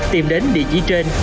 tìm đến địa chỉ trên